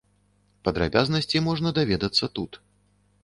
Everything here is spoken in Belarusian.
Падрабязнасці можна даведацца тут.